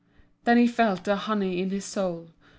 Then he felt a honey in his soul.